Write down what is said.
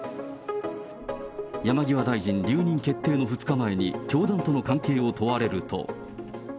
山際大臣留任決定の２日前に教団との関係を問われると。